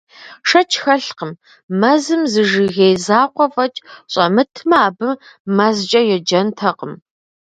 Шэч хэлъкъым: мэзым зы жыгей закъуэ фӀэкӀ щӀэмытмэ, абы мэзкӀэ еджэнтэкъым.